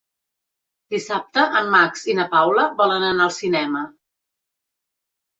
Dissabte en Max i na Paula volen anar al cinema.